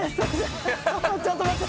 ちょっと待って！